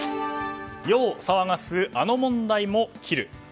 世を騒がす、あの問題も切る。